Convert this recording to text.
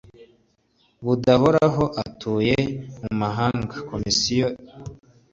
budahoraho atuye mu mahanga komisiyo bireba